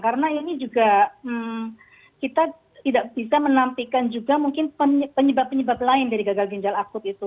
karena ini juga kita tidak bisa menampikan juga mungkin penyebab penyebab lain dari gagal ginjal akut itu